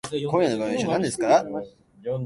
今夜の晩御飯は何ですか？